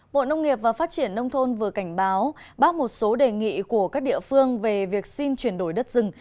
bộ nông nghiệp và phát triển nông thôn vừa cảnh báo bác một số đề nghị của các địa phương về việc xin chuyển đổi đất rừng